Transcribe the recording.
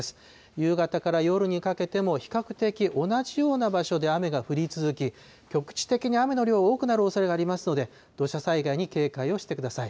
夕方から夜にかけても比較的同じような場所で雨が降り続き、局地的に雨の量、多くなるおそれがありますので、土砂災害に警戒をしてください。